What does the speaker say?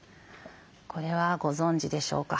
これはご存じでしょうか？